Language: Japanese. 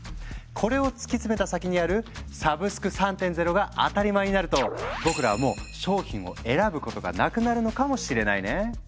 これを突き詰めた先にある「サブスク３．０」が当たり前になると僕らはもう商品を選ぶことがなくなるのかもしれないね。